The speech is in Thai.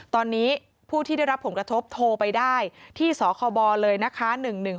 ตอนนี้ผู้ที่ได้รับผลกระทบโทรไปได้ที่สคบเลยนะคะ